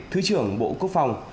thứ trưởng bộ quốc phòng